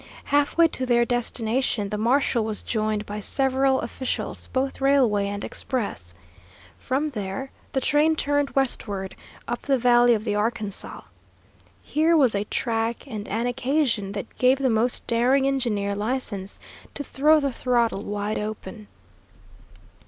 Halfway to their destination the marshal was joined by several officials, both railway and express. From there the train turned westward, up the valley of the Arkansas. Here was a track and an occasion that gave the most daring engineer license to throw the throttle wide open.